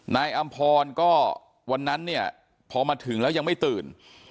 อำพรก็วันนั้นเนี่ยพอมาถึงแล้วยังไม่ตื่น